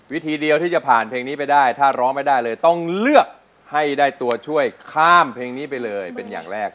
วิธีเดียวที่จะผ่านเพลงนี้ไปได้ถ้าร้องไม่ได้เลยต้องเลือกให้ได้ตัวช่วยข้ามเพลงนี้ไปเลยเป็นอย่างแรก